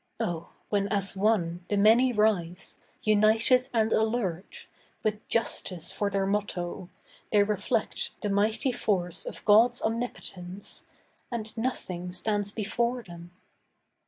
Oh, when as one The many rise, united and alert, With Justice for their motto, they reflect The mighty force of God's Omnipotence. And nothing stands before them.